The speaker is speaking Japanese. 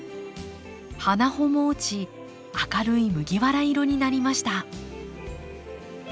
花穂も落ち明るい麦わら色になりました。